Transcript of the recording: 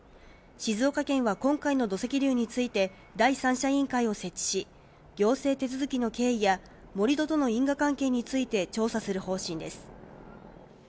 静岡県は今回の土石流について第三者委員会を設置し、行政手続きの経緯や盛り土との因果関係などについて調査する方針です。